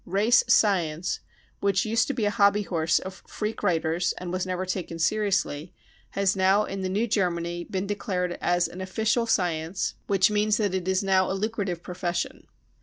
u Race science," which used to be a hobby horse of freak writers and was never taken seriously, has now in the New Germany been declared an official " science "— which means that it is now a lucrative profession.